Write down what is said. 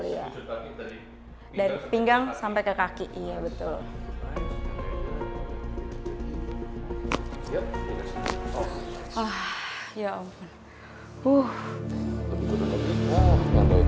sepujuk kaki dari pinggang sampai ke kaki